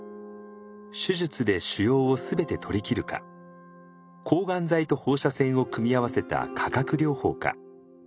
手術で腫瘍を全て取りきるか抗がん剤と放射線を組み合わせた化学療法か。